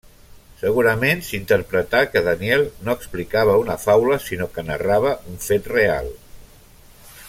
Segurament s'interpretà que Daniel no explicava una faula, sinó que narrava un fet real.